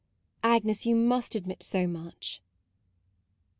Agnes, you must admit so much."